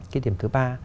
cái điểm thứ ba